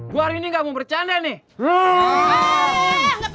gue hari ini gak mau bercanda nih